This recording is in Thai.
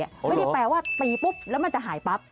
ไม่ได้แปลว่าตีปุ๊บแล้วมันจะหายปั๊บ